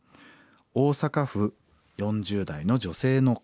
大阪府４０代の女性の方。